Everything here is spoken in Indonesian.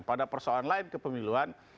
pada persoalan lain kepemiluan